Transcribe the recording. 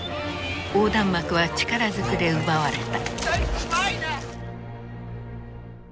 横断幕は力ずくで奪われた。